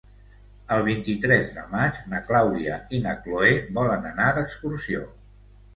El vint-i-tres de maig na Clàudia i na Cloè volen anar d'excursió.